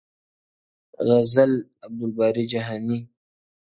غزل-عبدالباري جهاني!.